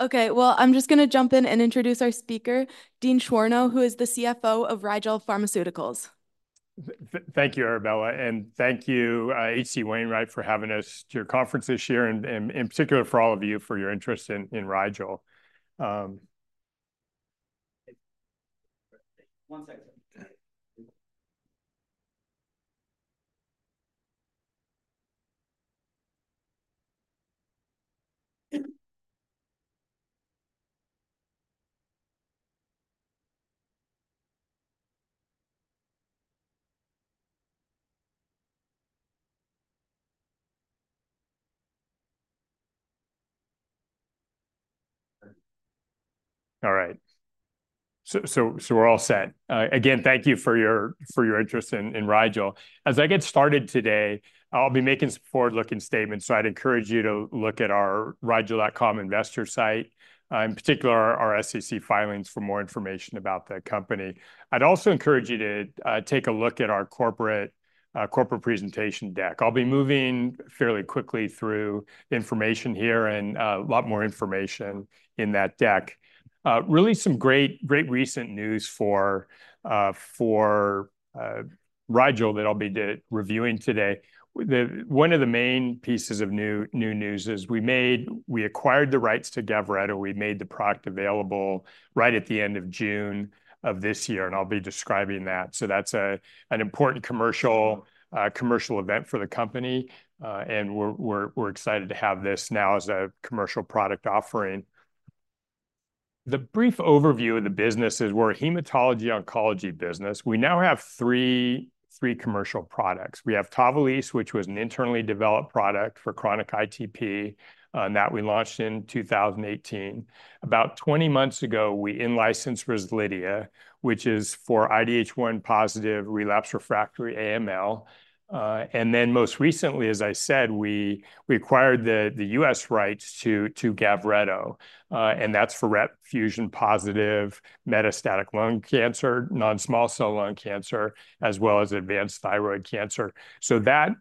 Okay, well, I'm just gonna jump in and introduce our speaker, Dean Schorno, who is the CFO of Rigel Pharmaceuticals. Thank you, Arabella, and thank you, H.C. Wainwright, for having us to your conference this year, and in particular, for all of you, for your interest in Rigel. One second. All right. We're all set. Again, thank you for your interest in Rigel. As I get started today, I'll be making some forward-looking statements, so I'd encourage you to look at our Rigel.com investor site, in particular, our SEC filings, for more information about the company. I'd also encourage you to take a look at our corporate presentation deck. I'll be moving fairly quickly through information here, and a lot more information in that deck. Really some great, great recent news for Rigel that I'll be reviewing today. One of the main pieces of new news is we acquired the rights to Gavreto. We made the product available right at the end of June of this year, and I'll be describing that. That's an important commercial event for the company, and we're excited to have this now as a commercial product offering. The brief overview of the business is we're a hematology/oncology business. We now have three commercial products. We have Tavalisse, which was an internally developed product for chronic ITP, and that we launched in two thousand and eighteen. About twenty months ago, we in-licensed Rezlidhia, which is for IDH1 positive relapsed refractory AML. And then most recently, as I said, we acquired the U.S. rights to Gavreto, and that's for RET fusion-positive metastatic lung cancer, non-small cell lung cancer, as well as advanced thyroid cancer. So that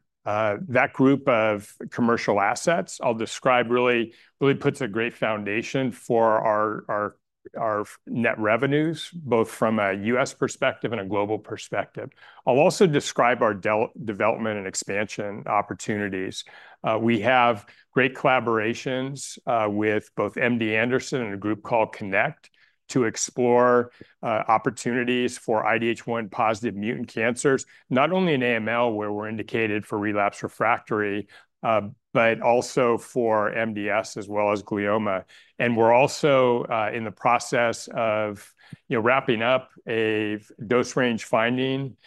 group of commercial assets, I'll describe, really puts a great foundation for our net revenues, both from a U.S. perspective and a global perspective. I'll also describe our development and expansion opportunities. We have great collaborations with both MD Anderson and a group called CONNECT to explore opportunities for IDH1-positive mutant cancers, not only in AML, where we're indicated for relapse refractory, but also for MDS, as well as glioma. We're also in the process of, you know, wrapping up a dose range finding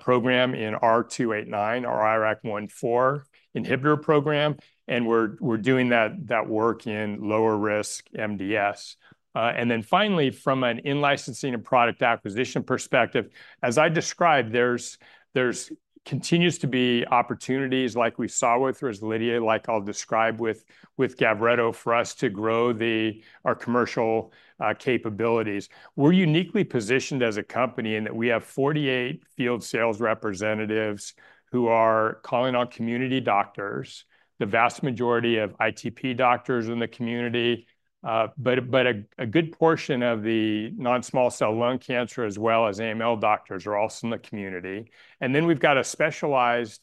program in R289 or IRAK1/4 inhibitor program, and we're doing that work in lower risk MDS. And then finally, from an in-licensing and product acquisition perspective, as I described, there continues to be opportunities like we saw with Rezlidhia, like I'll describe with Gavreto, for us to grow our commercial capabilities. We're uniquely positioned as a company in that we have 48 field sales representatives who are calling on community doctors, the vast majority of ITP doctors in the community, but a good portion of the non-small cell lung cancer, as well as AML doctors, are also in the community. And then we've got a specialized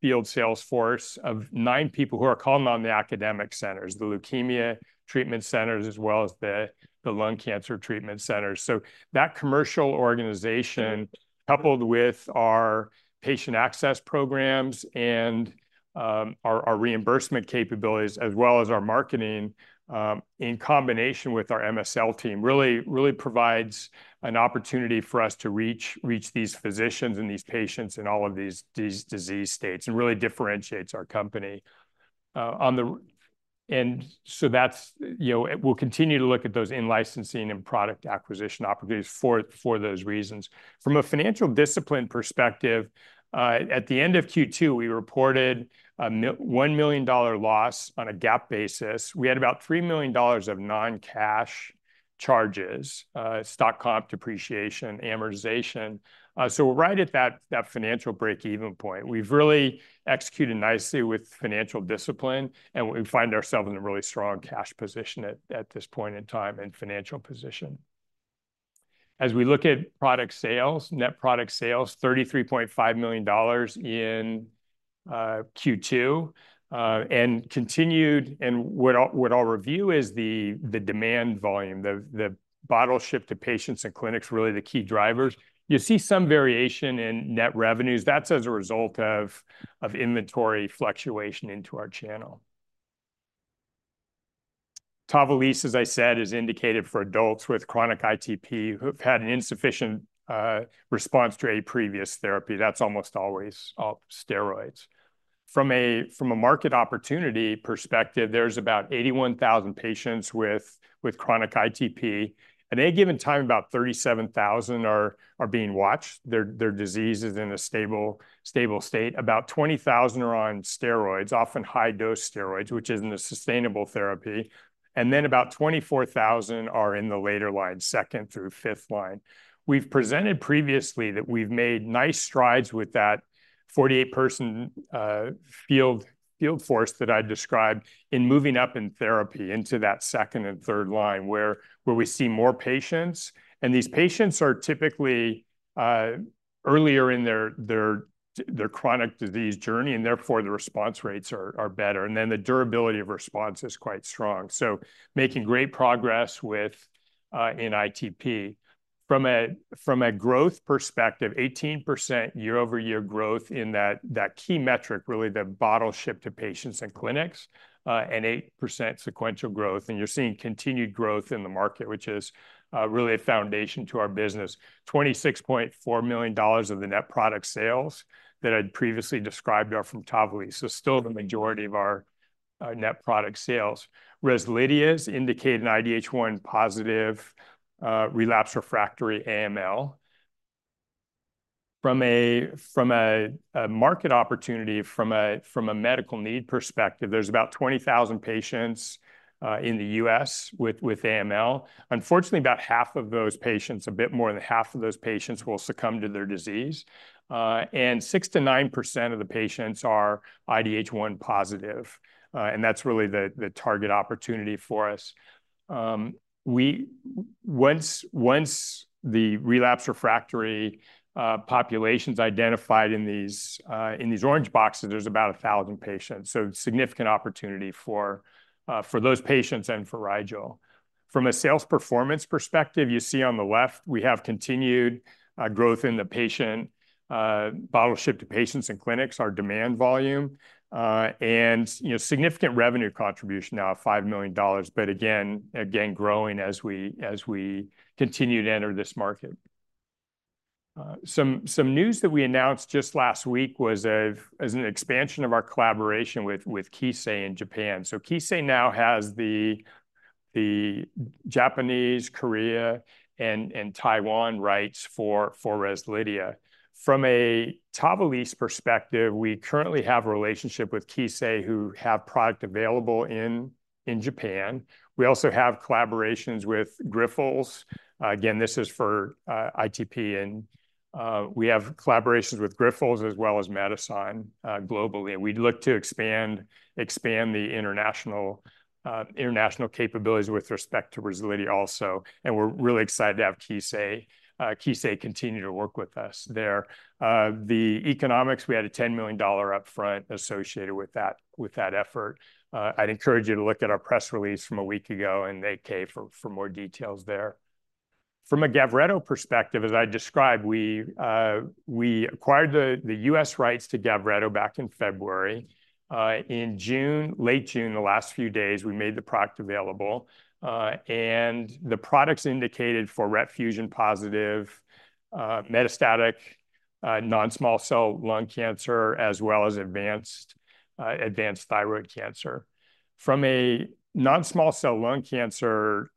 field sales force of nine people who are calling on the academic centers, the leukemia treatment centers, as well as the lung cancer treatment centers. So that commercial organization, coupled with our patient access programs and our reimbursement capabilities, as well as our marketing in combination with our MSL team, really provides an opportunity for us to reach these physicians and these patients in all of these disease states and really differentiates our company on the. And so that's, you know, we'll continue to look at those in-licensing and product acquisition opportunities for those reasons. From a financial discipline perspective, at the end of Q2, we reported a $1 million loss on a GAAP basis. We had about $3 million of non-cash charges, stock comp, depreciation, amortization. So we're right at that financial break-even point. We've really executed nicely with financial discipline, and we find ourselves in a really strong cash position at this point in time and financial position. As we look at product sales, net product sales, $33.5 million in Q2, and what I'll review is the demand volume, the bottles shipped to patients and clinics, really the key drivers. You see some variation in net revenues. That's as a result of inventory fluctuation into our channel. Tavalisse, as I said, is indicated for adults with chronic ITP who have had an insufficient response to a previous therapy. That's almost always steroids. From a market opportunity perspective, there's about 81,000 patients with chronic ITP. At any given time, about 37,000 are being watched. Their disease is in a stable state. About 20,000 are on steroids, often high-dose steroids, which isn't a sustainable therapy, and then about 24,000 are in the later line, second through fifth line. We've presented previously that we've made nice strides with that 48-person field force that I described in moving up in therapy into that second and third line where we see more patients, and these patients are typically earlier in their chronic disease journey, and therefore the response rates are better, and then the durability of response is quite strong, so making great progress in ITP. From a growth perspective, 18% year-over-year growth in that key metric, really the bottles shipped to patients and clinics, and 8% sequential growth. You're seeing continued growth in the market, which is really a foundation to our business. $26.4 million of the net product sales that I'd previously described are from Tavalisse. So still the majority of our net product sales. Rezlidhia's indicated in IDH1 positive relapse refractory AML. From a market opportunity, from a medical need perspective, there's about 20,000 patients in the US with AML. Unfortunately, about half of those patients, a bit more than half of those patients will succumb to their disease. And 6%-9% of the patients are IDH1 positive, and that's really the target opportunity for us. Once the relapse refractory population's identified in these orange boxes, there's about 1,000 patients, so significant opportunity for those patients and for Rigel. From a sales performance perspective, you see on the left, we have continued growth in the patient bottles shipped to patients and clinics, our demand volume, and, you know, significant revenue contribution now of $5 million, but again, growing as we continue to enter this market. Some news that we announced just last week was an expansion of our collaboration with Kissei in Japan. So Kissei now has the Japanese, Korea, and Taiwan rights for Rezlidhia. From a Tavalisse perspective, we currently have a relationship with Kissei, who have product available in Japan. We also have collaborations with Grifols. Again, this is for ITP, and we have collaborations with Grifols as well as Medison globally, and we'd look to expand the international capabilities with respect to Rezlidhia also, and we're really excited to have Kissei continue to work with us there. The economics, we had a $10 million upfront associated with that effort. I'd encourage you to look at our press release from a week ago and the 8-K for more details there. From a Gavreto perspective, as I described, we acquired the US rights to Gavreto back in February. In June, late June, the last few days, we made the product available, and the product's indicated for RET fusion positive metastatic non-small cell lung cancer, as well as advanced thyroid cancer. From a non-small cell lung cancer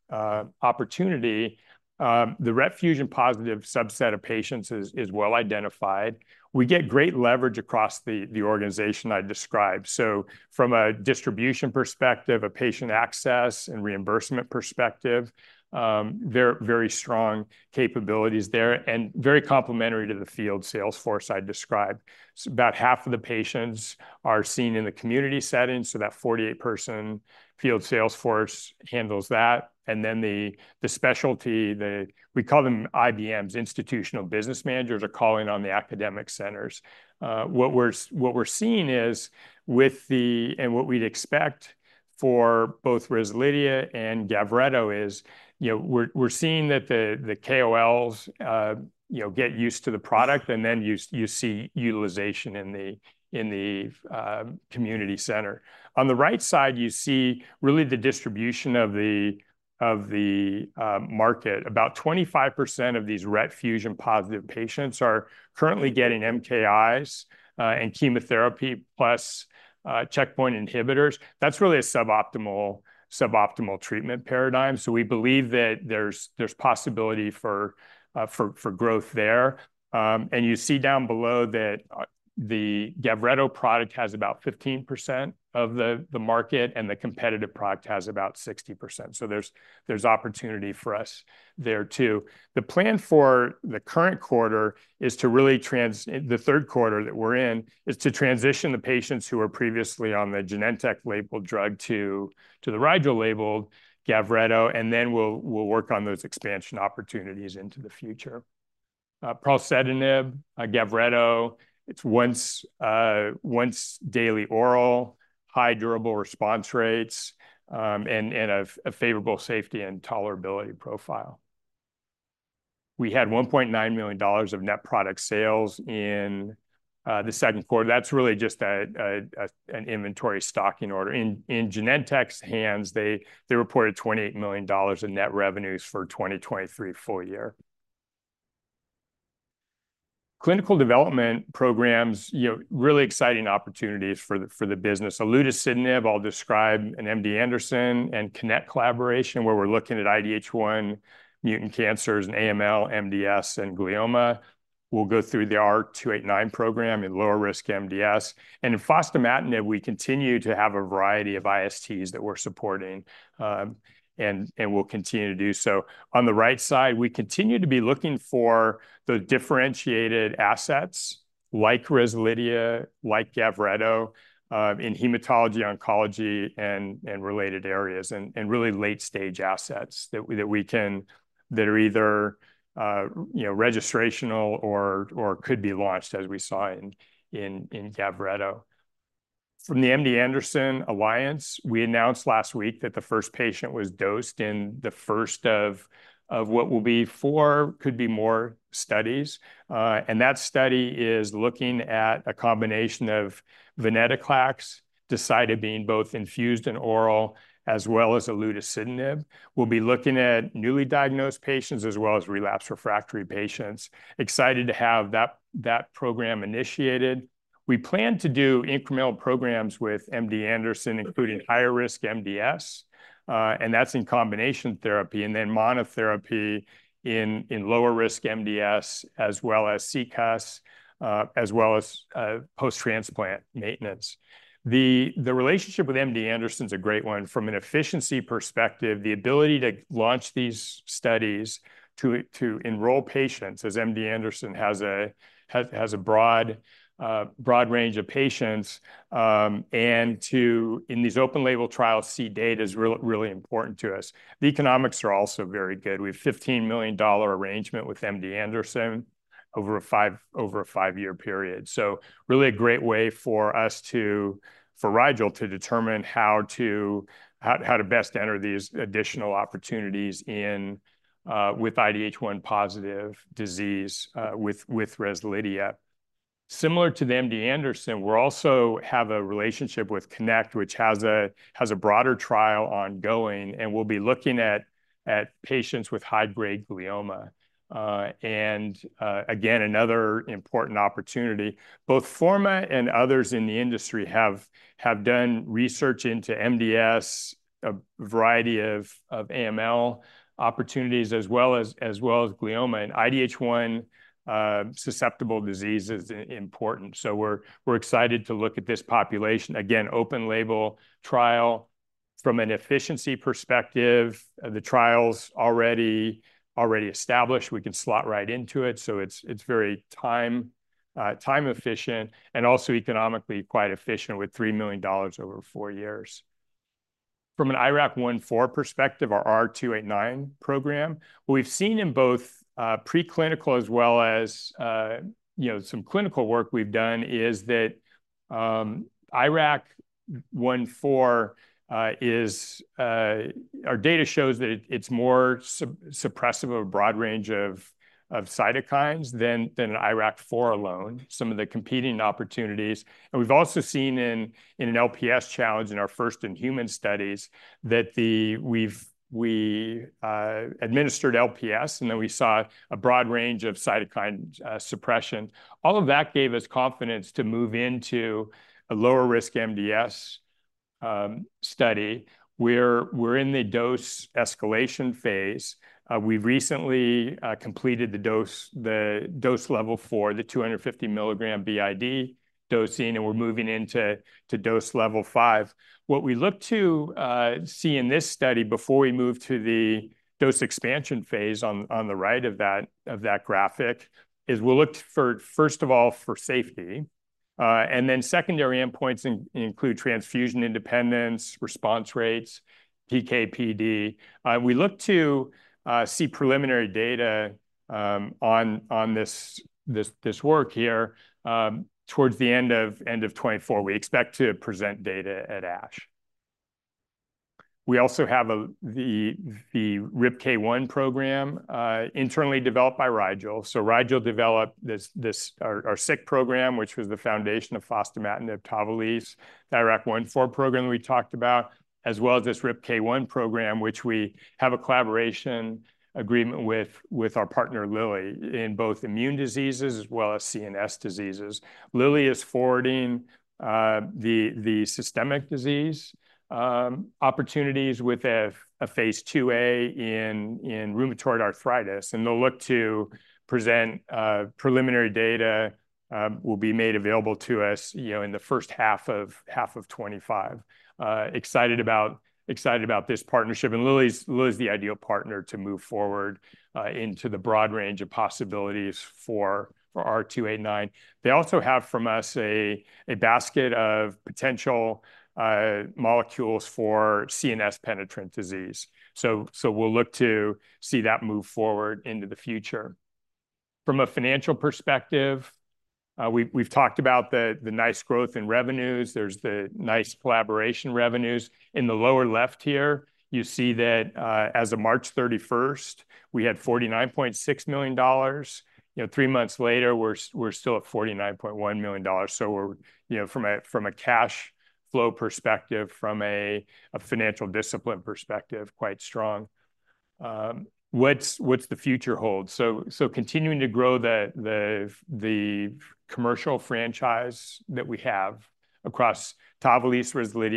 opportunity, the RET fusion-positive subset of patients is well identified. We get great leverage across the organization I described. So from a distribution perspective, a patient access and reimbursement perspective, very, very strong capabilities there, and very complementary to the field sales force I described. So about half of the patients are seen in the community setting, so that 48-person field sales force handles that. And then the specialty. We call them IBMs, Institutional Business Managers, are calling on the academic centers. What we're seeing is, and what we'd expect for both Rezlidhia and Gavreto is, you know, we're seeing that the KOLs, you know, get used to the product, and then you see utilization in the community center. On the right side, you see really the distribution of the market. About 25% of these RET fusion positive patients are currently getting MKIs, and chemotherapy, plus, checkpoint inhibitors. That's really a suboptimal treatment paradigm. So we believe that there's possibility for growth there. And you see down below that, the Gavreto product has about 15% of the market, and the competitive product has about 60%, so there's opportunity for us there, too. The plan for the current quarter is really the third quarter that we're in, is to transition the patients who were previously on the Genentech-labeled drug to the Rigel-labeled Gavreto, and then we'll work on those expansion opportunities into the future. Pralsetinib, Gavreto, it's once daily oral, high durable response rates, and an inventory stocking order. We had $1.9 million of net product sales in the second quarter. That's really just an inventory stocking order. In Genentech's hands, they reported $28 million in net revenues for 2023 full year. Clinical development programs, you know, really exciting opportunities for the business. Olutasidenib, I'll describe an MD Anderson and CONNECT collaboration, where we're looking at IDH1 mutant cancers in AML, MDS, and glioma. We'll go through the R289 program in lower risk MDS. And in fostamatinib, we continue to have a variety of ISTs that we're supporting, and we'll continue to do so. On the right side, we continue to be looking for the differentiated assets-... like Rezlidhia, like Gavreto, in hematology, oncology, and related areas, and really late-stage assets that are either, you know, registrational or could be launched, as we saw in Gavreto. From the MD Anderson Alliance, we announced last week that the first patient was dosed in the first of what will be four, could be more studies. That study is looking at a combination of venetoclax, decitabine, both infused and oral, as well as olutasidenib. We'll be looking at newly diagnosed patients as well as relapsed refractory patients. Excited to have that program initiated. We plan to do incremental programs with MD Anderson, including higher-risk MDS, and that's in combination therapy, and then monotherapy in lower risk MDS as well as CCUS, as well as post-transplant maintenance. The relationship with MD Anderson is a great one. From an efficiency perspective, the ability to launch these studies to enroll patients, as MD Anderson has a broad range of patients, and to in these open label trials see data is really important to us. The economics are also very good. We have $15 million arrangement with MD Anderson over a five-year period. So really a great way for us to for Rigel to determine how to best enter these additional opportunities in with IDH1-positive disease with Rezlidhia. Similar to MD Anderson, we're also have a relationship with CONNECT, which has a broader trial ongoing, and we'll be looking at patients with high-grade glioma. And again, another important opportunity. Both Forma and others in the industry have done research into MDS, a variety of AML opportunities, as well as glioma, and IDH1 susceptible disease is important, so we're excited to look at this population. Again, open label trial from an efficiency perspective, the trial's already established. We can slot right into it, so it's very time efficient and also economically quite efficient, with $3 million over four years. From an IRAK1/4 perspective, our R289 program, what we've seen in both preclinical as well as, you know, some clinical work we've done, is that IRAK1/4. Our data shows that it's more suppressive of a broad range of cytokines than IRAK4 alone, some of the competing opportunities. We've also seen in an LPS challenge in our first in-human studies, that we've administered LPS, and then we saw a broad range of cytokine suppression. All of that gave us confidence to move into a lower risk MDS study, where we're in the dose escalation phase. We recently completed the dose level for the 250 milligram BID dosing, and we're moving into Dose Level Five. What we look to see in this study, before we move to the dose expansion phase on the right of that graphic, is we'll look for, first of all, for safety. Then secondary endpoints include transfusion independence, response rates, PK/PD. We look to see preliminary data on this work here towards the end of 2024. We expect to present data at ASH. We also have the RIPK1 program internally developed by Rigel. So Rigel developed this our SYK program, which was the foundation of fostamatinib, Tavalisse, the IRAK1/4 program we talked about, as well as this RIPK1 program, which we have a collaboration agreement with our partner, Lilly, in both immune diseases as well as CNS diseases. Lilly is forwarding the systemic disease opportunities with a phase IIa in rheumatoid arthritis, and they'll look to present preliminary data, which will be made available to us, you know, in the first half of 2025. Excited about this partnership, and Lilly is the ideal partner to move forward into the broad range of possibilities for R289. They also have from us a basket of potential molecules for CNS-penetrant disease. So we'll look to see that move forward into the future. From a financial perspective, we've talked about the nice growth in revenues. There's the nice collaboration revenues. In the lower left here, you see that as of March thirty-first, we had $49.6 million. You know, three months later, we're still at $49.1 million. So we're, you know, from a cash flow perspective, from a financial discipline perspective, quite strong. What's the future hold? Continuing to grow the commercial franchise that we have across Tavalisse, Rezlidhia-